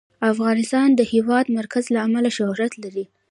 افغانستان د د هېواد مرکز له امله شهرت لري.